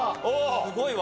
すごいわ。